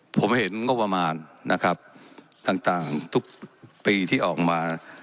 ผมเห็นงบประมาณนะครับต่างทุกปีที่ออกมา